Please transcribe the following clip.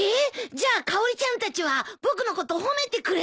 じゃあかおりちゃんたちは僕のこと褒めてくれてたの？